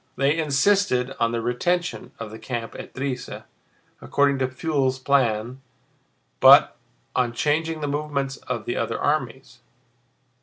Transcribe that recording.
They insisted on the retention of the camp at Drissa, according to Pfuel's plan, but on changing the movements of the other armies.